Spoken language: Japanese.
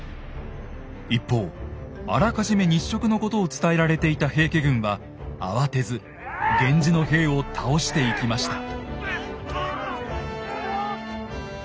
一方あらかじめ日食のことを伝えられていた平家軍は慌てず源氏の兵を倒していきました。